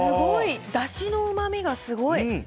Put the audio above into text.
だしのうまみがすごい。